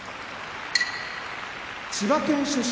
千葉県出身